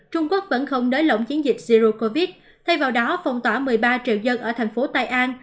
trung quốc vẫn không nới lỏng chiến dịch zirocov thay vào đó phong tỏa một mươi ba triệu dân ở thành phố tây an